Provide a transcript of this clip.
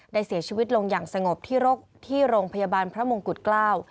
เสียชีวิตลงอย่างสงบที่โรคที่โรงพยาบาลพระมงกุฎเกล้า